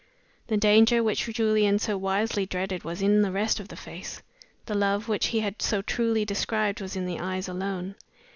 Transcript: The danger which Julian so wisely dreaded was in the rest of the face; the love which he had so truly described was in the eyes alone.